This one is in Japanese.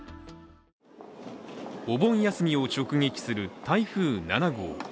お盆休みを直撃する台風７号。